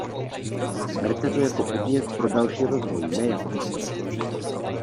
Berte to jako podnět pro další rozvoj, ne jako útok.